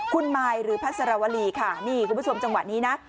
คุณมายหรือพัสรวรีค่ะนี่คุณผู้ชมจังหวะนี้นะ